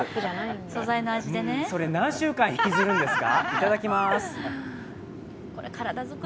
それ何週間引きずるんですか。